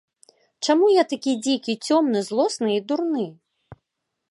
Чаму я такі дзікі, цёмны, злосны і дурны?